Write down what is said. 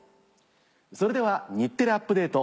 それでは『日テレアップＤａｔｅ！』